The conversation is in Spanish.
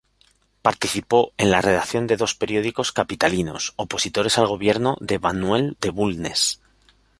Participó en la redacción de dos periódicos capitalinos, opositores al gobierno de Manuel Bulnes.